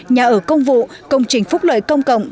nhà ở công vụ công trình phúc lợi công cộng